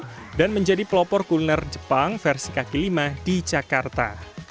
menjadi pelopor kuliner jepang versi kaki lima di jakarta